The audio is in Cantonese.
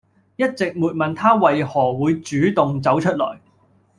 一直沒問他為何會主動走出來